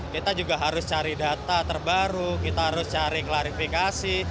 kita juga harus cari data terbaru kita harus cari klarifikasi